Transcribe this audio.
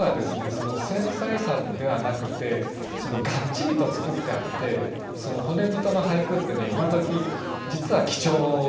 その繊細さではなくてガッチリと作ってあって骨太の俳句って今どき実は貴重なんですね。